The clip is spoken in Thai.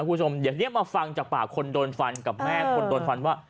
คุณผู้ชมเดี๋ยวนี้มาฟังจากปากคนโดนฟันกับแม่คนโดนฟันว่า